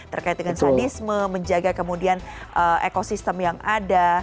terkait dengan sadisme menjaga kemudian ekosistem yang ada